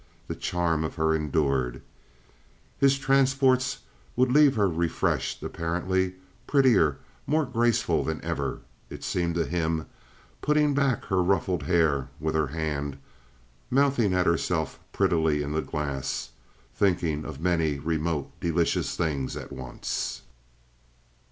The charm of her endured. His transports would leave her refreshed apparently, prettier, more graceful than ever, it seemed to him, putting back her ruffled hair with her hand, mouthing at herself prettily in the glass, thinking of many remote delicious things at once.